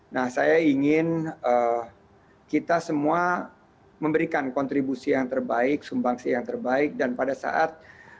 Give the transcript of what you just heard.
nah saya ingin kita semua memberikan kontribusi yang terbaik sumbangsi yang terbaik dan pada saat